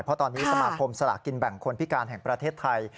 เพราะตอนนี้สมาคมสลากินแบ่งคนพิการแห่งประเทศไทย